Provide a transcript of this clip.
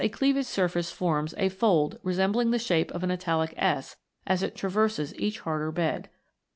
cleavage surface forms a fold resembling the shape of an italic S as it traverses each harder bed.